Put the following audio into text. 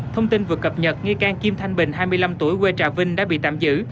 thông tin vừa cập nhật nghi can kim thanh bình hai mươi năm tuổi quê trà vinh đã bị tạm giữ